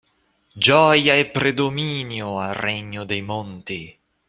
Gioia e predominio al regno dei monti.